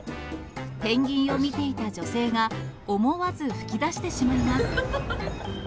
ペンギンを見ていた女性が、思わず吹き出してしまいます。